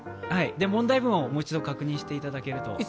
問題文をもう一度確認していただけると。